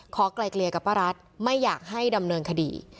ไกลเกลียกับป้ารัฐไม่อยากให้ดำเนินคดี